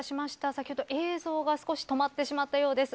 先ほど映像が少し止まってしまったようです。